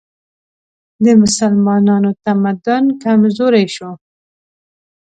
د مسلمانانو تمدن کمزوری شو